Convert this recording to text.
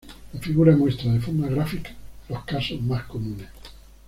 La figura muestra de forma gráfica los casos más comunes.